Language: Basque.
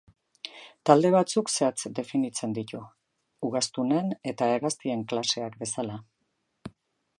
Talde batzuk zehatz definitzen ditu, ugaztunen eta hegaztien klaseak bezala.